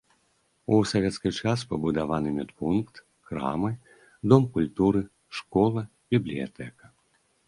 У савецкі час пабудаваны медпункт, крамы, дом культуры, школа, бібліятэка.